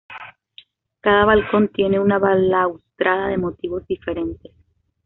Cada balcón tiene una balaustrada de motivos diferentes.